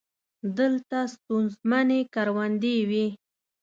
دلته ستونزمنې کروندې وې.